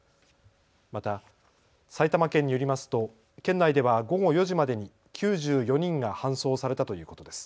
また埼玉県によりますと県内では午後４時までに９４人が搬送されたということです。